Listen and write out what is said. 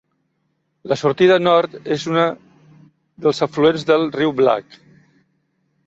La sortida nord és una dels afluents del riu Black.